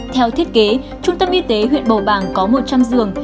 theo thiết kế trung tâm y tế huyện bầu bàng có một trăm linh giường